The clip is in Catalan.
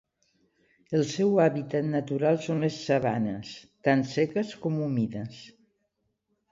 El seu hàbitat natural són les sabanes, tant seques com humides.